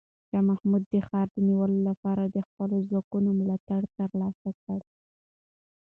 شاه محمود د ښار د نیولو لپاره د خپلو ځواکونو ملاتړ ترلاسه کړ.